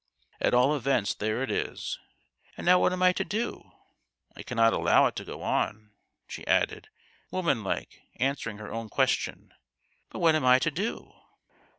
At all events there it is ; and now what am I to do ? I cannot allow it to go on," she added, woman like answering her own question ;" but what am I to do